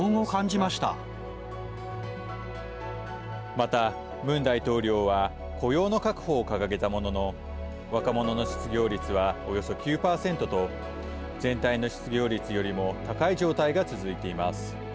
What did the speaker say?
また、ムン大統領は雇用の確保を掲げたものの若者の失業率はおよそ９％と全体の失業率よりも高い状態が続いています。